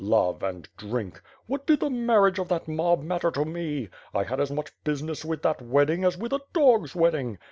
Love and drink. What did the marriage of that mob matter to me? I had as much business with that wedding as with a dog's wedding.